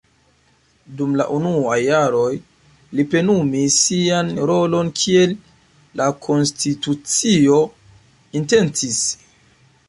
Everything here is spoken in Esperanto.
Dum la unuaj jaroj li plenumis sian rolon kiel la konstitucio intencis.